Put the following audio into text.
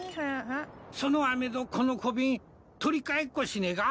そのあめとこの小ビン取り換えっこしねえか？